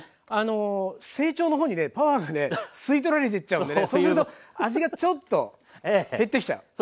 成長の方にねパワーがね吸い取られてっちゃうんでねそうすると味がちょっと減ってきちゃう。